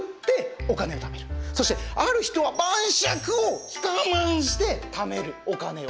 そしてある人は晩酌を我慢して貯めるお金を。